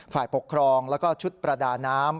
ฝ่ายปกครองแล้วก็ชุดประดาน้ำ